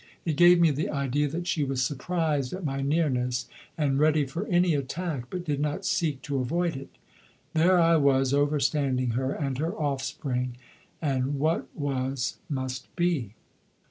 It gave me the idea that she was surprised at my nearness and ready for any attack, but did not seek to avoid it. There I was overstanding her and her offspring; and what was must be.